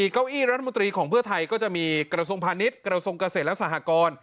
เก้าอี้รัฐมนตรีของเพื่อไทยก็จะมีกระทรวงพาณิชย์กระทรวงเกษตรและสหกร